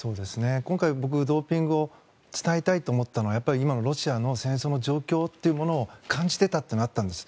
今回、僕、ドーピングを伝えたいと思ったのは今のロシアの戦争の状況というものを感じてたというのがあったんです。